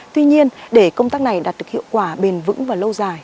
tuy nhiên để công tác này đạt được hiệu quả bền vững và lâu dài